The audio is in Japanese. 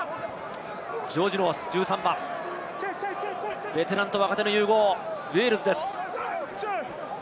ジョージ・ノース、ベテランと若手の融合、ウェールズです。